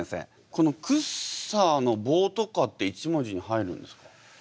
この「くっさー」の棒とかって１文字に入るんですか？